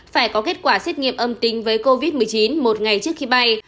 phải có kết quả xét nghiệm âm tính với covid một mươi chín một ngày trước khi bay